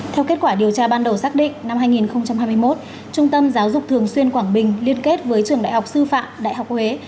theo kết quả điều tra ban đầu xác định năm hai nghìn hai mươi một trung tâm giáo dục thường xuyên quảng bình liên kết với trường đại học sư phạm đại học huế